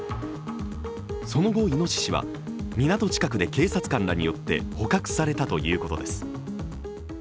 その後、いのししは港近くで警察官らによって捕獲されたということです。